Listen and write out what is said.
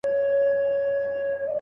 زه خپله مينه د آسمان و کنگرو ته سپارم